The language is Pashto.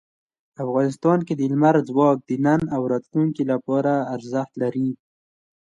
افغانستان کې لمریز ځواک د نن او راتلونکي لپاره ارزښت لري.